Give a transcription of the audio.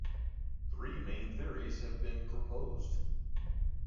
Three main theories have been proposed.